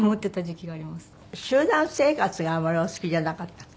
集団生活があまりお好きじゃなかった？